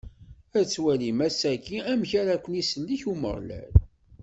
Ad twalim ass-agi, amek ara ken-isellek Umeɣlal.